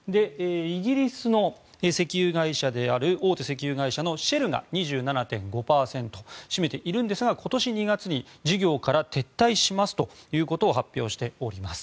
イギリスの石油会社である大手石油会社のシェルが２７．５％を占めているんですが、今年２月に事業から撤退しますということを発表しております。